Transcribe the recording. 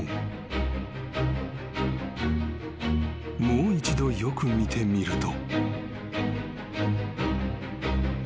［もう一度よく見てみると］